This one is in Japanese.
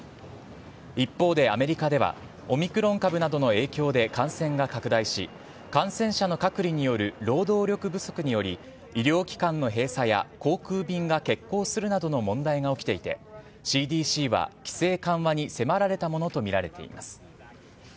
一方でアメリカでは、オミクロン株などの影響で感染が拡大し、感染者の隔離による労働力不足により、医療機関の閉鎖や、航空便が欠航するなどの問題が起きていて、ＣＤＣは規制緩和に迫られたものと見られています。